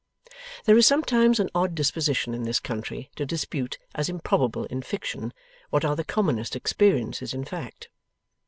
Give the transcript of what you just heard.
There is sometimes an odd disposition in this country to dispute as improbable in fiction, what are the commonest experiences in fact.